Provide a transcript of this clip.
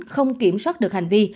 không kiểm soát được hành vi